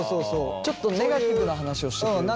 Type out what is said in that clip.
ちょっとネガティブな話をしてくれる人？